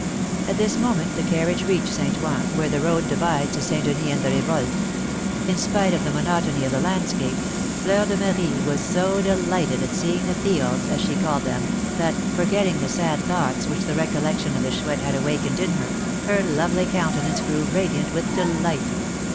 At this moment the carriage reached St. Ouen, where the road divides to St. Denis and the Revolte. In spite of the monotony of the landscape, Fleur de Marie was so delighted at seeing the fields, as she called them, that, forgetting the sad thoughts which the recollection of the Chouette had awakened in her, her lovely countenance grew radiant with delight.